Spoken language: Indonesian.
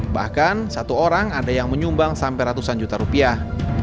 bahkan satu orang ada yang menyumbang sampai ratusan juta rupiah